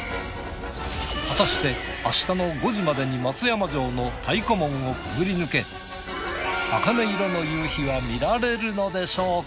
果たして明日の５時までに松山城の太鼓門をくぐり抜けあかね色の夕日が見られるのでしょうか？